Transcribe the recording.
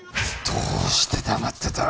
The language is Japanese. どうして黙ってた？